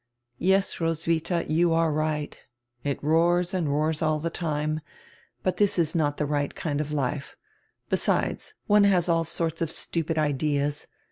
"Yes, Roswitha, you are right. It roars and roars all the time, hut this is not tire right kind of life. Besides, one has all sorts of stupid ideas.